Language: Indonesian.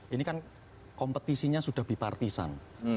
ini kan kompetisinya sudah bipartisan